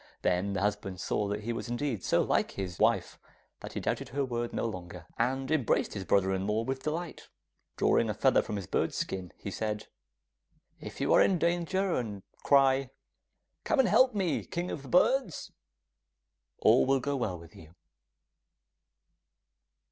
Then the husband saw that he was indeed so like his wife that he doubted her word no longer, and embraced his brother in law with delight. Drawing a feather from his bird's skin, he said, 'If you are in danger and cry, "Come and help me, King of the Birds," everything will go well with you.